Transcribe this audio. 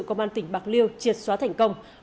công an tỉnh bạc liêu triệt xóa thành công